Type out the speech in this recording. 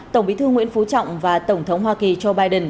tổng bí thư nguyễn phú trọng và tổng thống hoa kỳ joe biden